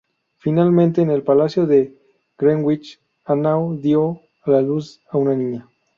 Finalmente, en el Palacio de Greenwich, Ana dio a luz a una niña.